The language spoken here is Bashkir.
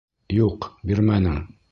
Юҡ, бирмәнең!